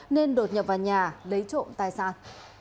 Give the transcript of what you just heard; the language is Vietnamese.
nên đột nhập vào nhà lấy trộm tài sản